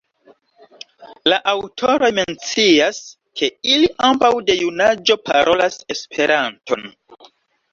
La aŭtoroj mencias, ke ili ambaŭ de junaĝo parolas Esperanton.